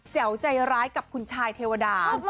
วใจร้ายกับคุณชายเทวดา